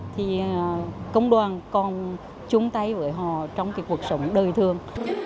thì công đoàn còn chung tay với họ trong cái cuộc sống đời thương